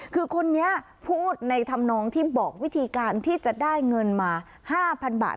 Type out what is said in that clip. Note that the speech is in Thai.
คือคนนี้พูดในธรรมนองที่บอกวิธีการที่จะได้เงินมา๕๐๐๐บาท